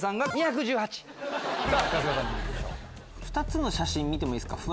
２つの写真見てもいいですか。